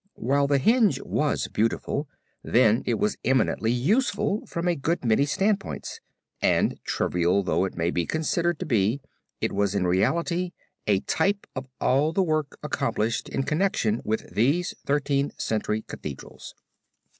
While the hinge was beautiful, then it was eminently useful from a good many standpoints, and trivial though it might be considered to be, it was in reality a type of all the work accomplished in connection with these Thirteenth Century Cathedrals.